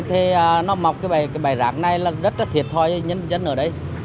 thì nó mọc cái bài rác này là rất là thiệt thòi cho nhân dân ở đây